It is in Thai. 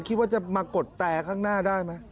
คิดว่าจะมากดแต่ข้างหน้าได้ไหม